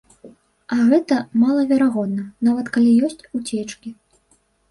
А гэта малаверагодна, нават калі ёсць уцечкі.